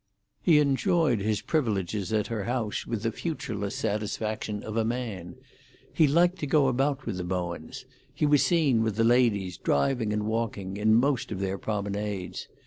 He enjoyed his privileges at her house with the futureless satisfaction of a man. He liked to go about with the Bowens; he was seen with the ladies driving and walking, in most of their promenades.